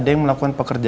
dia caso tanpa tanya